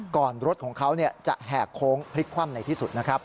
รถของเขาจะแหกโค้งพลิกคว่ำในที่สุดนะครับ